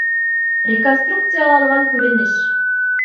Реконструкцияланған күренеш.